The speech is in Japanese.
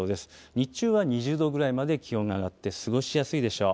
日中は２０度ぐらいまで気温が上がって過ごしやすいでしょう。